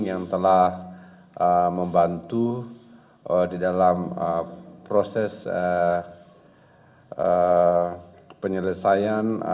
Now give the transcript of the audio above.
yang telah membantu di dalam proses penyelesaian